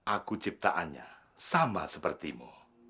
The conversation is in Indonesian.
aku ciptaannya sama sepertimu